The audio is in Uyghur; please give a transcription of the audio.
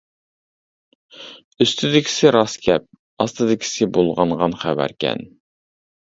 ئۈستىدىكىسى راست گەپ، ئاستىدىكىسى بۇلغانغان خەۋەركەن.